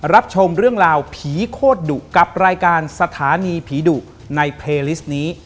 รับชมเรื่องราวผีโคตรดุกับรายการสถานีผีดุในเพลิสต์นี้